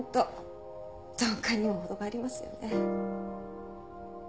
鈍感にも程がありますよね。